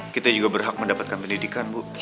kita juga berhak mendapatkan pendidikan bu